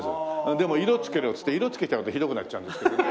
でも色付けろっつって色付けちゃうとひどくなっちゃうんですけどね。